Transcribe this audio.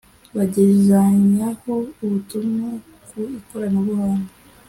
bagezanyaho ubutumwa ku ikoranabuhanga…